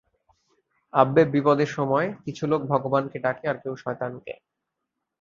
আব্বে বিপদে সময়, কিছু লোক ভগবানকে ডাকে আর কেউ শয়তানকে!